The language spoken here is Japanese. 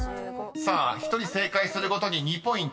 ［１人正解するごとに２ポイント。